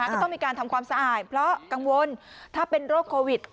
ก็ต้องมีการทำความสะอาดเพราะกังวลถ้าเป็นโรคโควิด